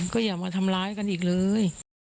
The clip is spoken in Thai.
ก็อย่ามาทำร้ายกันอีกเลย